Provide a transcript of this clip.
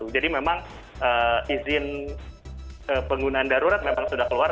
jadi memang izin penggunaan darurat memang sudah keluar